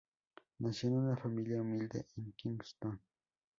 Nació en una familia humilde en Kingston.